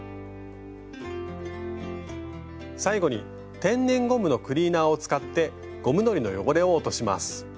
最後に天然ゴムのクリーナーを使ってゴムのりの汚れを落とします。